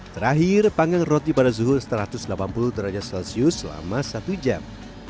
terakhir panggang roti pada suhu satu ratus delapan puluh derajat celcius selama satu jam